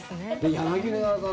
柳澤さん